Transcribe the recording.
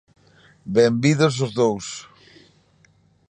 Benvidos os dous.